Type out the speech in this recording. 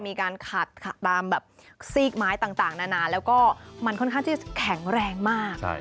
มีการขัดตามแบบซีกไม้ต่างนานาแล้วก็มันค่อนข้างที่แข็งแรงมาก